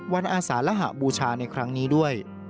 อาสารหบูชาในครั้งนี้ด้วย